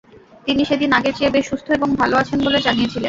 তিনি সেদিন আগের চেয়ে বেশ সুস্থ এবং ভালো আছেন বলে জানিয়েছিলেন।